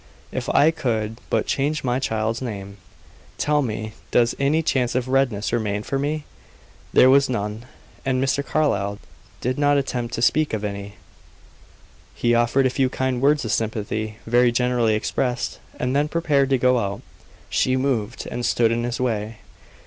If I could but change my child's name! Tell me does any chance of redress remain for me?" There was none, and Mr. Carlyle did not attempt to speak of any. He offered a few kind words of sympathy, very generally expressed, and then prepared to go out. She moved, and stood in his way.